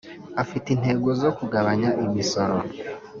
Afite intego zo kugabanya imisoro